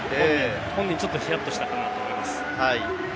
本人ちょっとヒヤッとしたと思います。